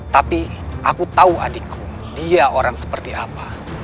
tapi aku tahu adikku dia orang seperti apa